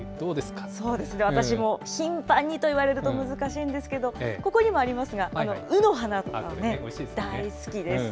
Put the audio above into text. そうですね、私も頻繁にと言われると難しいんですけど、ここにもありますが、うの花とかね、大好きです。